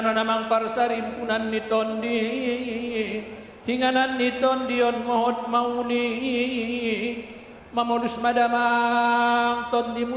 tentang prosesi ini saya ingin mengucapkan kepada anda